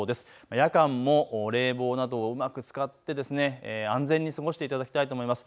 夜間も冷房などをうまく使って安全に過ごしていただきたいと思います。